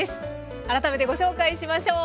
改めてご紹介しましょう。